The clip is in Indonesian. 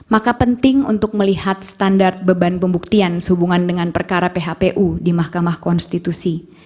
maka penting untuk melihat standar beban pembuktian sehubungan dengan perkara phpu di mahkamah konstitusi